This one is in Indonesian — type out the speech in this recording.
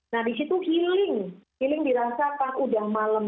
nah di situ healing healing dirasa pada hujan malam